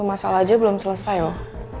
masalah aja belum selesai loh